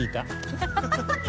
ハハハハ！